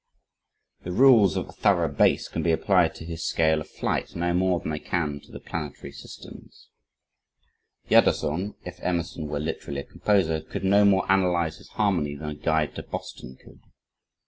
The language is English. The rules of Thorough Bass can be applied to his scale of flight no more than they can to the planetary system. Jadassohn, if Emerson were literally a composer, could no more analyze his harmony than a guide to Boston could.